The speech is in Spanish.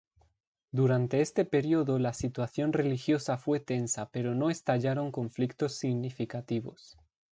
Durante este periodo, la situación religiosa fue tensa pero no estallaron conflictos significativos.